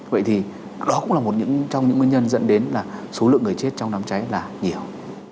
vậy thì đó cũng là một trong những nguyên nhân dẫn đến là số lượng người chết trong đám cháy là nhiều